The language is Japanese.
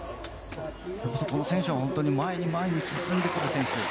この選手は本当に前に前に進んでくる選手。